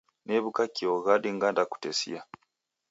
New'uka kio ghadi ngandakutesia.